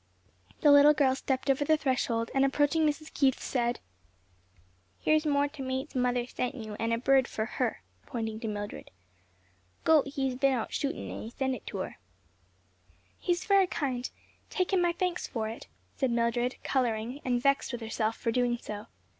The little girl stepped over the threshold and approaching Mrs. Keith said, "Here's more tomats mother sent you and a bird for her," pointing to Mildred, "Gote he's been out shootin' and he sent it to her." "He's very kind, take him my thanks for it," said Mildred, coloring, and vexed with herself for doing so.